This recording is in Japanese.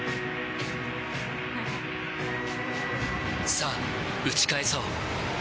さあ、打ち返そう。